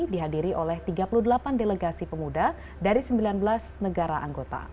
dihadiri oleh tiga puluh delapan delegasi pemuda dari sembilan belas negara anggota